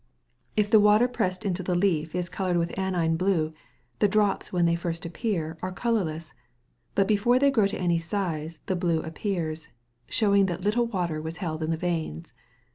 If the water pressed into the leaf is coloured with aniline blue, the drops when they first appear are colourless; but before they grow to any size, the blue appears, showing that little water was held in the veins.